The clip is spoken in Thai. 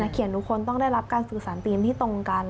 เขียนทุกคนต้องได้รับการสื่อสารธีมที่ตรงกัน